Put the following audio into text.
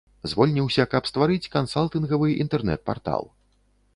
Звольніўся, каб стварыць кансалтынгавы інтэрнэт-партал.